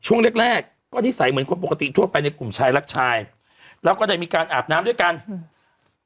ช่วงแรกแรกก็นิสัยเหมือนคนปกติทั่วไปในกลุ่มชายรักชายแล้วก็ได้มีการอาบน้ำด้วยกันอืม